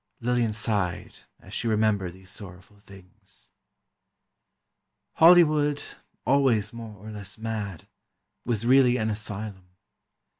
Lillian sighed as she remembered these sorrowful things: "Hollywood, always more or less mad, was really an asylum.